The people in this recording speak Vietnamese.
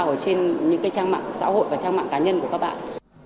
ở trên những cái trang mạng xã hội và trang mạng cá nhân của các bạn